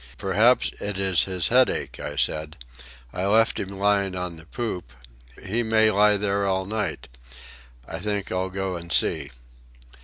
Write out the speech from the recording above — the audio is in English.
"Perhaps it is his headache," I said. "I left him lying on the poop. He may lie there all night. I think I'll go and see."